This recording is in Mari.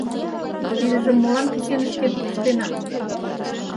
Тидыжым молан кӱсенышкет пыштенат?